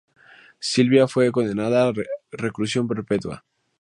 Silvia fue condenada a reclusión perpetua.